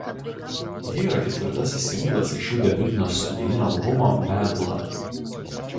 Ji yra ketvirtasis singlas iš jų debiutinio studijinio albumo „Bad Blood“.